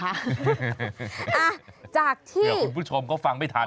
เอาจากที่เดี๋ยวมาคุณผู้ชมก็ฟังไม่ทัน